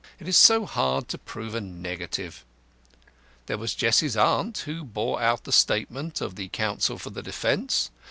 It is so hard to prove a negative. There was Jessie's aunt, who bore out the statement of the counsel for the defence.